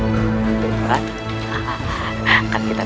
itu bukan apa saja